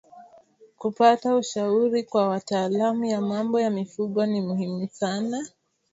Kupata ushauri kwa wataalamu ya mambo ya mifugo ni muhimu sana